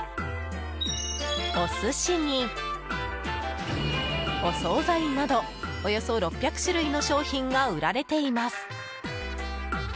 お寿司に、お総菜などおよそ６００種類の商品が売られています。